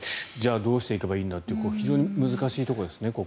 じゃあどうしていけばいいんだという非常に難しいところですね。